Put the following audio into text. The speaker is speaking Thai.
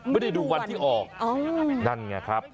ไม่ได้ดูวันที่ออกนั่นไงครับ